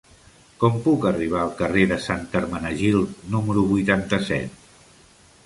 Com puc arribar al carrer de Sant Hermenegild número vuitanta-set?